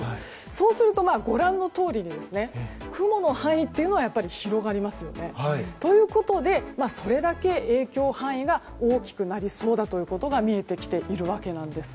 そうすると、ご覧のとおりに雲の範囲っていうのは広がりますよね。ということでそれだけ影響範囲が大きくなりそうだということが見えてきているわけです。